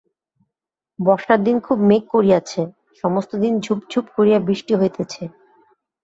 বর্ষার দিন খুব মেঘ করিয়াছে, সমস্ত দিন ঝুপ ঝুপ করিয়া বৃষ্টি হইতেছে।